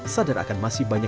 sadar akan masih banyak